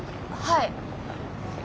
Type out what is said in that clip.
はい。